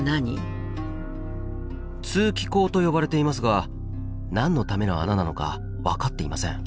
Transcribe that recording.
通気孔と呼ばれていますが何のための穴なのか分かっていません。